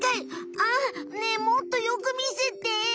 ああねえもっとよくみせて。